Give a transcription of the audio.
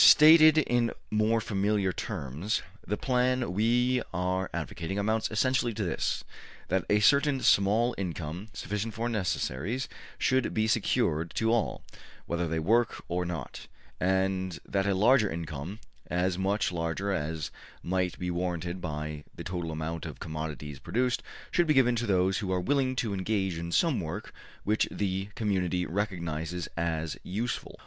Stated in more familiar terms, the plan we are advocating amounts essentially to this: that a certain small income, sufficient for necessaries, should be secured to all, whether they work or not, and that a larger income, as much larger as might be warranted by the total amount of commodities produced, should be given to those who are willing to engage in some work which the community recognizes as useful.